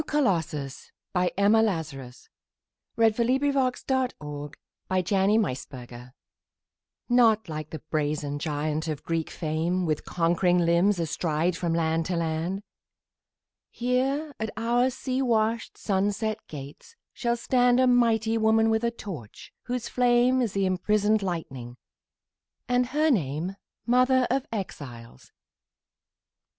The Book of New York Verse. 1917. The New Colossus Emma Lazarus NOT like the brazen giant of Greek fame, With conquering limbs astride from land to land; Here at our sea washed, sunset gates shall standA mighty woman with a torch, whose flameIs the imprisoned lightning, and her nameMother of Exiles.